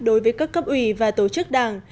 đối với các cấp ủy và tổ chức đảng